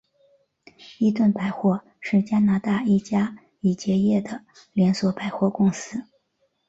伊顿百货是加拿大一家已结业的连锁百货公司。